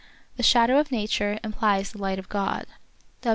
The shadow of nature implies the light of God.